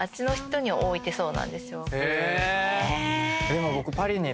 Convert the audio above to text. でも僕。